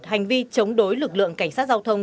hành vi chống đối lực lượng cảnh sát giao thông